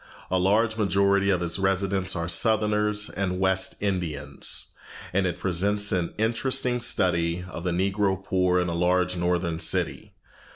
A large majority of its residents are Southerners and West Indians, and it presents an interesting study of the Negro poor in a large northern city.